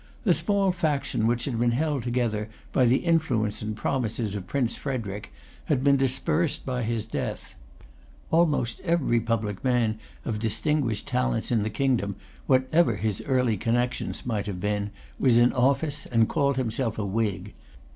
The small faction which had been held together by the influence and promises of Prince Frederic, had been dispersed by his death. Almost every public man of distinguished talents in the kingdom, whatever his early connections might have been, was in office, and called himself a Whig.